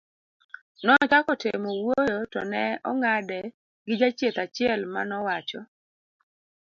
nochako temo wuoyo to ne ong'ade gi jachieth achiel manowacho